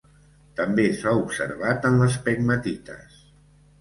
També s'ha observat en les pegmatites.